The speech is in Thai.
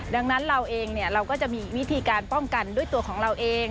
ดังนั้นเราเองเราก็จะมีวิธีการป้องกันด้วยตัวของเราเอง